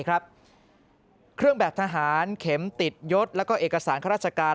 เครื่องแบบทหารเข็มติดยศแล้วก็เอกสารข้าราชการ